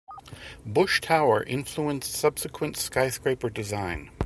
Bush Tower influenced subsequent skyscraper design.